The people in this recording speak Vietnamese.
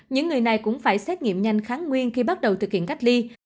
những người này cũng phải xét nghiệm nhanh kháng nguyên khi bắt đầu thực hiện cách ly